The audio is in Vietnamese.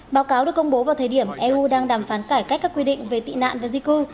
báo cáo được công bố vào thời điểm eu đang đàm phán cải cách các quy định về tị nạn và di cư